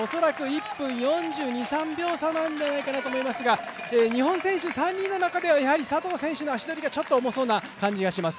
１分４２４３秒差なんじゃないかなと思いますが、日本人３選手の中では佐藤選手の足取りが重そうに感じます。